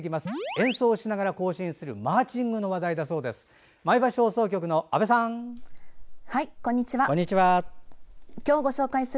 演奏しながら行進するマーチングの話題だそうです。